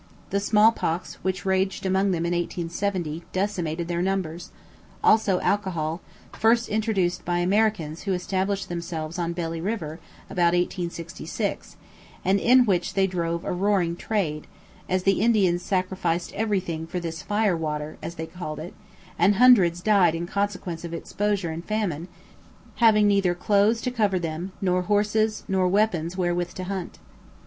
The small pox, which raged among them in 1870, decimated their numbers; also alcohol, first introduced by Americans who established themselves on Belly River, about 1866, and in which they drove a roaring trade, as the Indians sacrificed everything for this "fire water," as they called it, and hundreds died in consequence of exposure and famine, having neither clothes to cover them nor horses nor weapons wherewith to hunt.